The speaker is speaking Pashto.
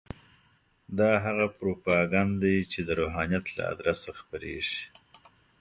دا هغه پروپاګند دی چې د روحانیت له ادرسه خپرېږي.